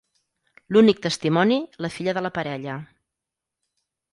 L'únic testimoni, la filla de la parella.